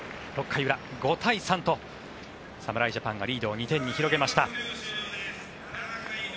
６回裏、５対３と侍ジャパンがリードを２点に広げました。